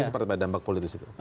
seperti apa dampak politis itu